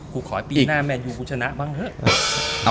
ขอให้ปีหน้าแมนยูกูชนะบ้างเถอะ